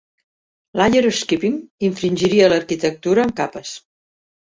"Layer skipping" infringiria l"arquitectura en capes.